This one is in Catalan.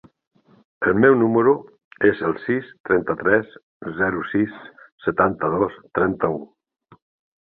El meu número es el sis, trenta-tres, zero, sis, setanta-dos, trenta-u.